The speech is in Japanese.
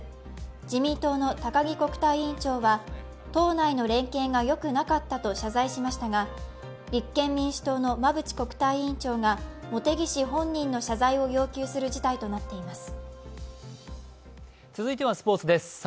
自民党の高木国対委員長は党内の連携がよくなかったと謝罪しましたが立憲民主党の馬淵国対委員長が茂木氏本人の謝罪を要求する事態となっています。